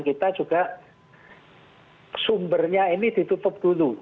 kita juga sumbernya ini ditutup dulu